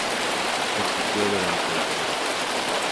Existió durante el Triásico.